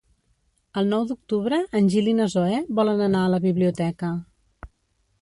El nou d'octubre en Gil i na Zoè volen anar a la biblioteca.